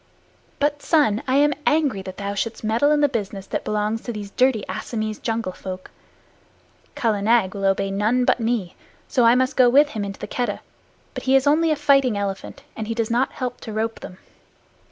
But, son, I am angry that thou shouldst meddle in the business that belongs to these dirty Assamese jungle folk. Kala Nag will obey none but me, so I must go with him into the Keddah, but he is only a fighting elephant, and he does not help to rope them.